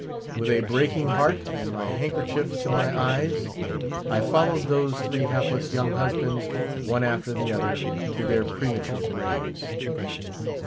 With a breaking heart, and my handkerchief to my eyes, I followed those three hapless young husbands, one after the other, to their premature graves.